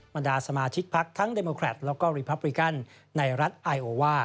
บรรดาสมาชิกพักทั้งเดโมแครตแล้วก็รีพับริกันในรัฐไอโอว่า